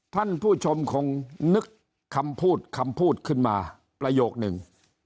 ท่านผู้ชมคงนึกคำพูดคำพูดขึ้นมาประโยคนึง